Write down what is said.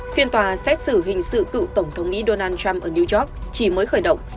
phiên tòa xét xử hình sự cựu tổng thống mỹ donald trump ở new york chỉ mới khởi động